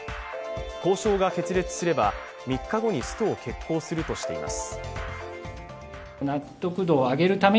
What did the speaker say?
交渉が決裂すれば３日後にストを決行するとしています。